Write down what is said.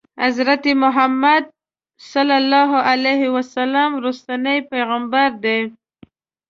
حضرت محمد صلی الله علیه وسلم وروستنی پیغمبر دی.